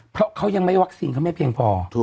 เพราะเขายังไม่วัคซีนเขาไม่เพียงพอ